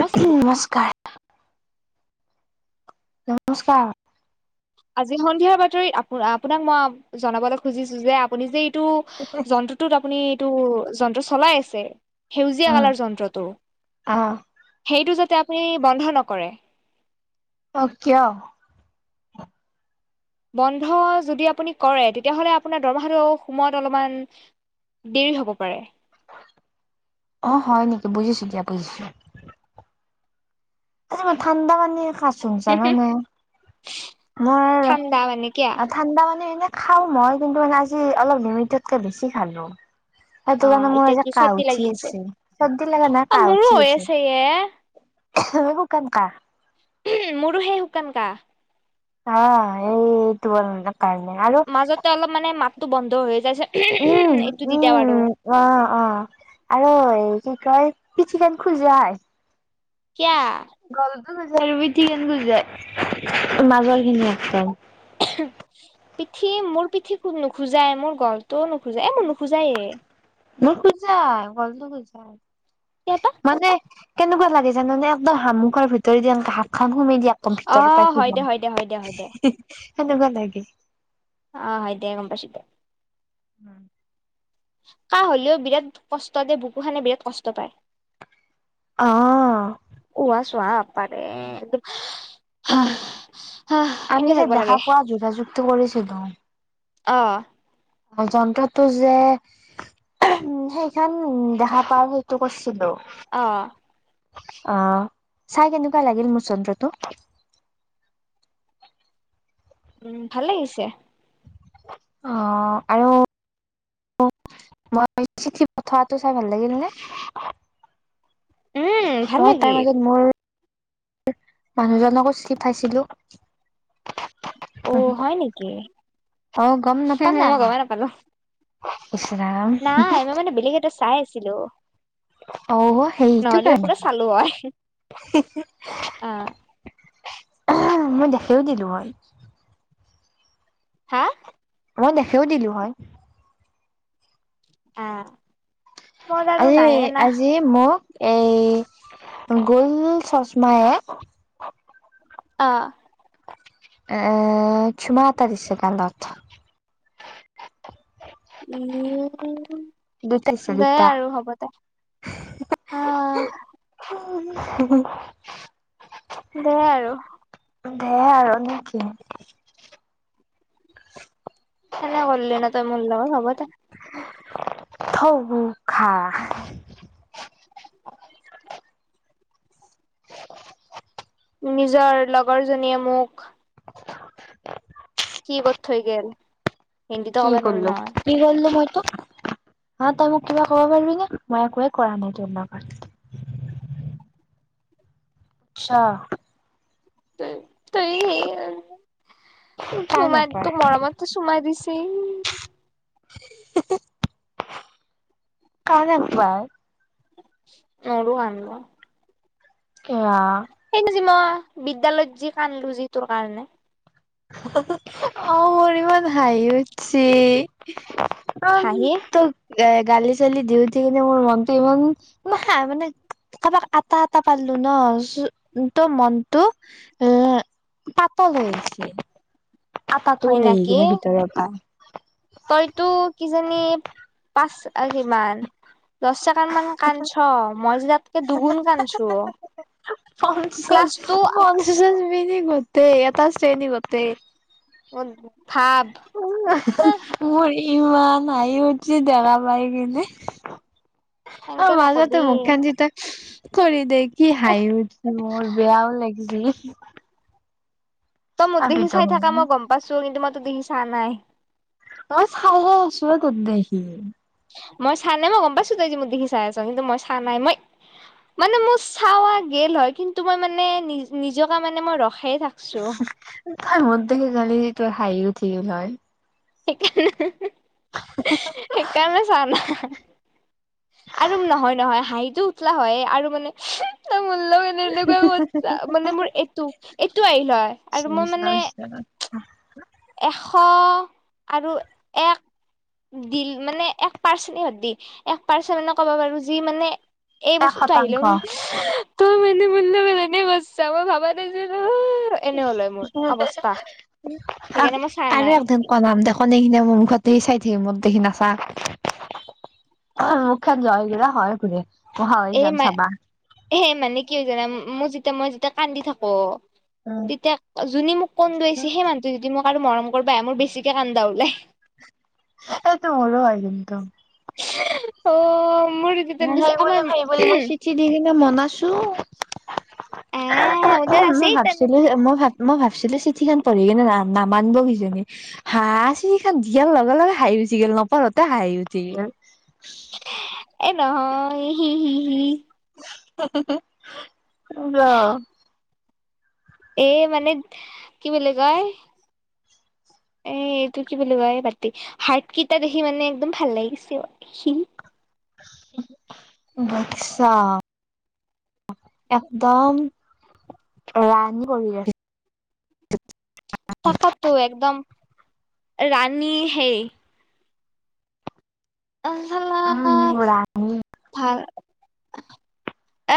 মস্ত দিব। নমস্কাৰ। [unintelligible] নমস্কাৰ। আজি সন্ধিয়াৰ বাতৰিত আপো-আপোনাক মই জনাবলৈ খুজিছোঁ যে আপুনি যে টো যন্ত্ৰটোত আপুনি টো যন্ত্ৰ চলাই আছে। সেউজীয়া অ', কালাৰ যন্ত্ৰটো, সেইটো যে তে' আপুনি বন্ধ নকৰে। অ', কিয়? বন্ধ যদি আপুনি কৰে তেতিয়াহ'লে আপোনাৰ দৰমহাটো সোময়ত অলপমান, দেৰি হ'ব পাৰে। অ', হয় নেকি বুজিছোঁ দিয়া বুজিছোঁ। [unintelligible] ঠাণ্ডা পানীয়ে খা [unintelligible] মোৰ, ঠাণ্ডা মানে কিয়া আহ ঠাণ্ডা মানে এনে খাওঁ মই কিন্তু মানে আজি অলপ লিমিটতকে বেছি খালোঁ। সেইটো অ কাৰণে মোৰ এতিয়া আজি কি কাঁহ চৰ্দি উঠি লাগি আছে গৈছে, চৰ্দি লাগা নাই অ কাঁহ মোৰো উঠি হৈ গিছি। আছে এ [unintelligible] এইবোৰ [unintelligible] মোৰো সেই শুকান কাঁহ। আহ এই [unintelligible] মাজতে অলপ মানে মাত টো বন্ধ হৈ যায় উম উম অ', অ' আৰু কি কয় পিঠি খান খোজায়। কিয়া? পিঠিখান খুজায় মাজৰ খিনি এক পিঠি, মোৰ পিঠি নোখোজাই মোৰ গলটোও নোখোজায় এ মোৰ নোখোজায়ে। মোৰ খুজায় গলটো খুজায়। কিয়বা মানে। কেনেকুৱা লাগে জানে একদম হামুখৰ ভিতৰত এনেকে হাত সোমাই দিয় আকৌ ভিতৰৰ অ' পৰাই হয় সোমা দে হয় দে হয় দে হয় দে সেনেকুৱা লাগে। অ' হয় দে গম পাইচো দে। উম। কাহ হলেও বিৰাট কষ্ট দে, বুকু খানে বিৰাট কষ্ট পায়। অ উহা [unintelligible] পাৰে [unintelligible] আমি যে দেখা পোৱা যোগাযোগটো কৰিছিলো। অ' যন্ত্ৰটো যে উ সেইখনান উ দেখা পা সেইটো কৰছিলো। অ। অহ চাই কেনেকুৱা লাগিল মোৰ যন্ত্ৰটো। উম ভাল লাগিছে। অ' আৰু মই চিঠি পঠোৱাটো চাই ভাল লাগিল নে উম ভাল অ' তাৰ লাগিল মাজত মোৰ মানুহজনকো চিফাইছিলো। অ' হয় নেকি? অ গম নাপালা মই গমেই নাপালো। ইচ ৰাম নাই আমাৰ মানে বেলেগ এটা চাই আছো। ছিলো। অহ, সেইটো কাৰণে হয় অ' মই দেখিয়ো দিলোঁ হয়। হা মই দেখিয়ো দিলো হয়। আ আজি, আজি মোক এই, গোল চচমায়ে আ এ, চুমা এটা দিছে গালত [unintelligible] দুটা দিছে দে দুটা আৰু হ'ব দে, আ [unintelligible] দে আৰু দে আৰু নেকি এনে কৰলি ন, তই মোৰ লগত হ'ব দে। [unintelligible] নিজৰ লগৰ জনীয়ে মোক কি ক'ত থই গেল। হিন্দীতো কি ক'ব নোৱাৰো কৰিলো? নহয় কি কৰলো মই হ তই মোক কিবা ক'ব পাৰবি নে মই একোৱে কৰা নাই তোৰ লগত। আচ্ছা। তে তই কা চুমা, নাপাৰ তোক মৰমত চুমা দিছ সেই [unintelligible] নাপায়। নৰো আনব। কিয়া? সেইদিনা যে মই বিদ্যালয়ত যি কান্দলো যি তোৰ কাৰণে। অ', মোৰ ইমান হাঁহি উতছি। অ', হাঁহি তোৰ এ গালি চালি দি উঠি কিনে মোৰ মনটো ইমান মানে কাৰোবাক আতা আতা পাৰলোঁ ন' ত' মনটো এ পাতাল হৈছে। হয় নাকি, পৰা তইটো কিজানি পাঁচ কিমান, দশ ছেকেণ্ডমান কান্দছ' মই যেতিয়া তকে দুগুণ কান্দছো। পঞ্চ ক্লাছটো পঞ্চাছ শ্ৰেণী গোটে এটা শ্ৰেণী গোটেই। ভাব। হা [unintelligible] ইমান হাঁহি উঠি দেখা পাই কিনে এনকে অ', মাজতে মুখ নকবি খান যিতিয়া [unintelligible] কি হাঁহি উঠিছে মোৰ বেয়াও লাগিছিল। তই মোক দেখি চাই থাকা মই গম পাইছোঁ তোৰ [unintelligible] চা নাই। মই চাইহে আছো তোত দেখি। মই চা নাই, মই গম পাইছো তই যে, মোক দেখি চাই আছ, কিন্তু মই চা নাই মই মানে মোৰ চাৱা গেল হয়, কিন্তু মই মানে নিজকে মানে মই ৰখ তই মত দেখি জানি তোৰ হাঁহি [unintelligible] হয় সেইকাৰণে সেইকাৰণে চোৱা নাই আৰু নহয়, নহয় হাঁহিটো উঠলা হয়, আৰু মানে [unintelligible] মানে মোৰ এইটো, এইটো আহিল হয়, আৰু এক মই মানে এশ আৰু এক দি মানে এক পাৰ্চেণ্ট দি, এক পাৰ্চেণ্ট মানে ক'ব পাৰব যি মানে এই বস্তুটো আহি শতাংশ। [unintelligible] ত মানে বুলে মনে এনে [unintelligible] মই ভাবা নাছিলো [inaudible] এনে হ'লে [unintelligible] মোৰ অৱস্থা সেইকাৰণে মই চোৱা নাই মুখতে চাই থাকিব [unintelligible] এই মা-এই মানে কি জানা [unintelligible] তেতিয়া, মই যেতিয়া কান্দি থাকো তেতিয়া যোনি মোক কন্দদুৱাইছে সেই মানুহটো যদি মই আৰু মৰম কৰিবা আহে, মোৰ বেছিকে কান্দা উলাই এইটো মোৰো হয়, কিন্তু অ' মোৰ তেতিয়া বেছি ভাবিব, আমাৰ ভাবিব [unintelligible] মই চিঠি দি কিনে মনাছো আহ মোৰ তাত ম‌ আছে ভাবচিলো, মই ভাব মই ভাবছিলোঁ চিঠিখন পঢ়ি কিনে না-নামানিব কিজানী। হা, চিঠি খান দিয়াৰ লগে, লগে হাঁহি উঠি গ'ল নপঢ়োতে হাঁহি উঠি গ'ল এই নহয় [unintelligible] [unintelligible] এ, মানে কি বুলি কয়, এ, এইটো কি বুলি কয় বাদ দে। হাৰ্ট কেইটা দেখি মানে একদম ভাল লাগিছে [unintelligible] [unintelligible] একদম ৰাণী কৰি ৰাখি তাকেটো একদম- ৰাণ নী হেই আ চাল্লা উম ৰাণী ভাল।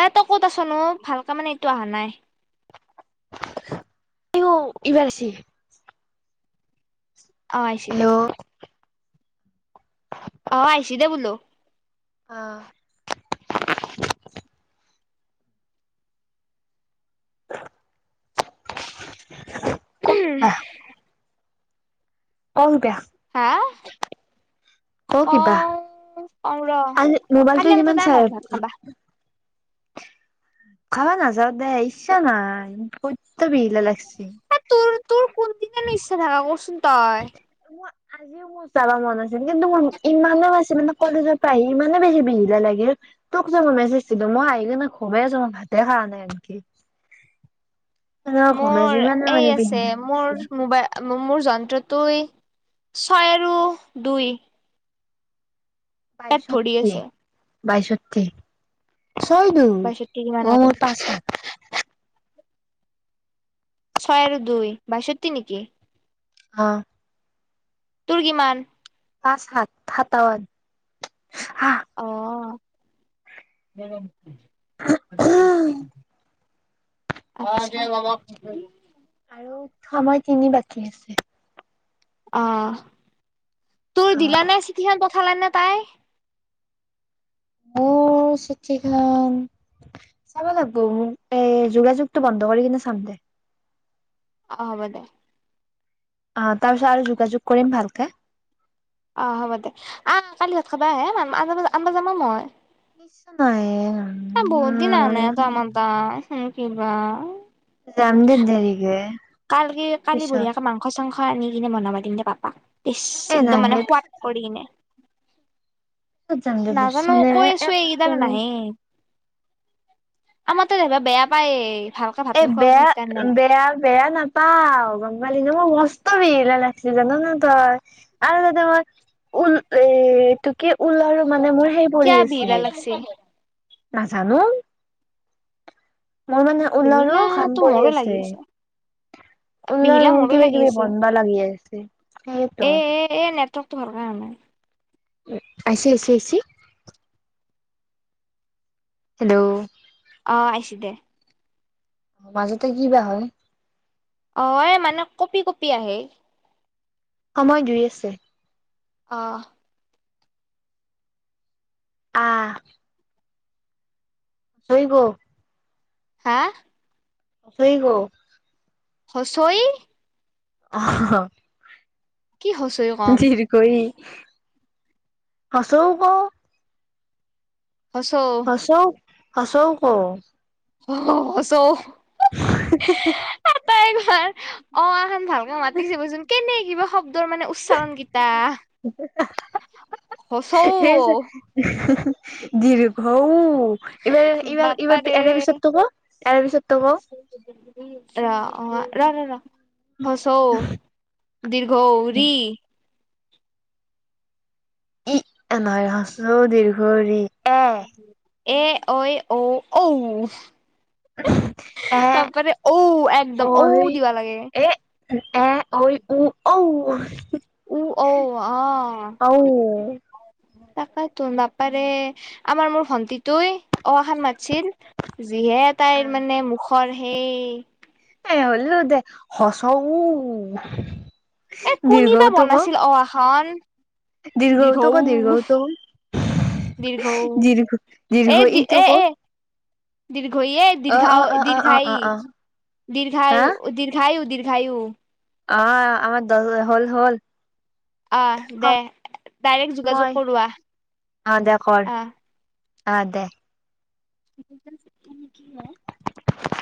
এ- তই ক'ত আছনো? ভালকে মানে এইটো অহা নাই। এইবাৰ আইছি। অ আহিছে দে- হেল্ল' অ, আইছি দে বুলো। অ। [unintelligible] ক [unintelligible] অও দা হা, ক কিবা কওঁ কওঁ ৰ, আজি মোবাইলটো কালি আমাৰ কিমান তাতে আহ চাই নহ'লি ভাত খাবা। খাৱ নাযাওঁ দেই, ইচ্ছা নাই বৈদ্য ইলা লাগছি। তোৰ তোৰ কোনদিনানো ইচ্ছা থাকে ক চোন। হয় মোৰ আজিও মোৰ যাব মন আছিল কিন্তু মোৰ ইমানেই বেছি মানে কলেজৰ পৰা আহি ইমানেই বেছি বিহিলা লাগিল, তোক যে মই মেছেজ দিলো মই আহি কিনে গুমে আছো মই ভাতে খোৱা নাই আনকি। এনেকে ঘুমে আছো মোৰ ইমানে এই মানে আছে, বিহিলা লাগছি মোৰ মোবাই মোৰ যন্ত্ৰটোই ছয় আৰু দুই। তাত ভৰি বাইষষ্ঠি। আছে বাইষষ্ঠি। ছয় দুহোন, বাষষ্ঠি কিমান আৰু মোৰ পাঁচ ছয় আৰু দুই বাইষষ্ঠি নিকি। অ। তোৰ কিমান। পাঁচ সাত সাতাৱন সা অ। [unintelligible] অ, [unintelligible] আৰু সময় কিনি বাকী আছে। অ। তোৰ অ দিলা নে চিঠিখন প চালে নে তাই। মোৰ চিঠিখন, চাবা লাগব মোক এ যোগাযোগটো বন্ধ কৰি কিনে চাম দে। অ, হ'ব দে। অ, তাৰ পিছত আৰু যোগাযোগ কৰিম ভালকে। অ, হ'ব দে। অ, কালি ভাত খাবা আহে ম আ আন যামা মই। নিশ্চয় নাহে। বহুত দিন আহা নাই তই আমাৰ তাত। উম, কিবা। যামদে দেৰিকে, পিছত। অ, নি কিনে বনাবা দিম দে পাপাক। ইছছ এ একদম মানে নালগে সোৱাদ পিছত যাম কৰি দে কিনে। পিছত যাম দে নাজানো বুজিছানে কৈ আছো এইডালে একদম নাহে। আমাৰতো বেয়া পায় এই। এ বেয়া বেয়া বেয়া নাপ পাও গম পালি মই মস্ত বিহিলা লাগিছিল জানো ন তই আৰু তাতে মই উল এ তোক কি ওলাৰো মানে মোৰ সেই পৰি কিয় আছে। বিহিলা লাগছে নাজানো। মোৰ মানে ঊলৰো কাম বিহিলাটো পৰি মোৰো আছে। লাগি ঊলৰ বিহিলা মোৰ মোৰো কিবা লাগি কিবি আছে বনবা লাগি আছে সেইটো। [unintelligible] ন আছে, আছে, আছে হেল্ল' অ আহিছি দে। অ মাজতে কি বা হয়। অ এ মানে কঁপি কঁপি আহে। সময় দুুই আছে। অ। আহ। [unintelligible] হা [unintelligible] হ্ৰস্ব ই অ কি হ্ৰস্ব ই কম উ [unintelligible] হ্ৰস্ব উ ক [unintelligible] তাই একবাৰ [inaudible] অ আহ ভালকে মাতি চাবচোন কেনে কিবা শব- দৰ মানে উচ্চাৰণকেইটা [unintelligible] অউ ইবাৰ ইবাৰ ইবাৰ এৰে পিছৰতো ক। তাৰ পিছত। [unintelligible] অ' ৰ ৰ ৰ। হ্ৰস্ব উ, দীৰ্ঘ ঊ, ঋ। [unintelligible] [unintelligible] এ, ঐ, ঔ, ঔ। এ তপৰে ঔ, একদম ঔ, ঐ দিবা লাগে। এ এ, ঐ, ও, ঔ উ, ঔ, অ'। ঔ তাকেতো বাপাৰেই, আমাৰ মোৰ ভন্টিটোই। অ আ খান মাতিছিল, যিহে তাইৰ মানে মুখৰ। সেই। এ হ'ল হব দে, উ। এ দীৰ্ঘ কোনে উ বা টো ক বনাইছিল, অ আ খন। দীৰ্ঘ উ দীৰ্এ টো ক দীৰ্ঘ উ টো ক দীৰ্ঘ দীৰ্ঘ ই টো এ ক এ দীৰ্ঘ এ অ দীৰ্ঘ অ অ অ অ দীৰ্ঘায় অ অ হা দীৰ্ঘায়ু দীৰ্ঘায়ু দীৰ্ঘ ঘায়ো। অ, আমাৰ দল হ'ল হ'ল। অ' দে, ডাইৰেক্ট যোগাযোগ সময় কৰো অ দে কৰ আহ। অ দে। [unintelligible] [unintelligible]